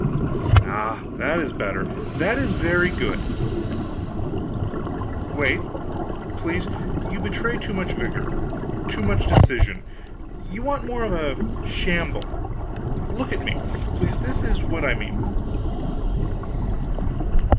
Ah that is better, that is very good. Wait, please; you betray too much vigor, too much decision; you want more of a shamble. Look at me, please this is what I mean....